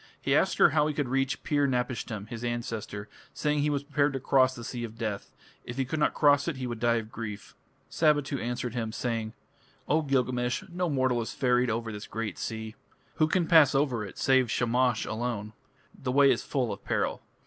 He asked her how he could reach Pir napishtim, his ancestor, saying he was prepared to cross the Sea of Death: if he could not cross it he would die of grief. Sabitu answered him, saying: "O Gilgamesh, no mortal is ferried over this great sea. Who can pass over it save Shamash alone? The way is full of peril.